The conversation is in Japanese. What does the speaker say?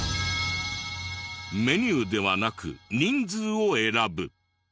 メニューではなく人数を選ぶ。